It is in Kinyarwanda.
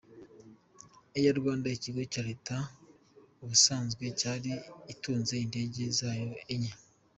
« Air Rwanda », ikigo cya Leta, ubusanzwe yari itunze indege zayo enye :